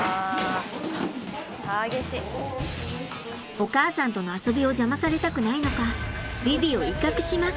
お母さんとの遊びを邪魔されたくないのかヴィヴィを威嚇します。